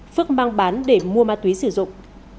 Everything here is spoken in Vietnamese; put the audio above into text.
phước mang bán để mua ma túy sử dụng